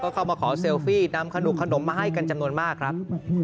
เข้ามาขอเซลฟี่นำขนุกขนมมาให้กันจำนวนมากครับ